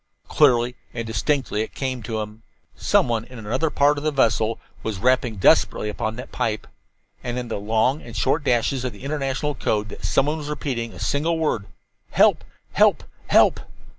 Clearly and distinctly it came to him then. Someone in another part of the vessel was rapping desperately upon that pipe! And in the long and short dashes of the international code that someone was repeating a single word "Help! Help! Help!"